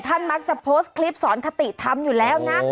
ท่านมักจะโพสต์คลิปสอนคติธรรมอยู่แล้วนะ